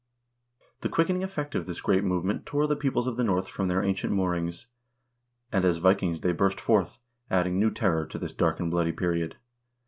The quickening effect of this great movement tore the peoples of the North from their ancient moorings, and as Vikings they burst forth, adding new terror to this dark and bloody period.